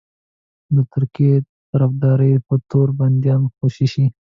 د ترکیې د طرفدارۍ په تور بنديان خوشي شي.